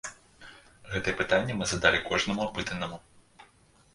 Гэтае пытанне мы задалі кожнаму апытанаму.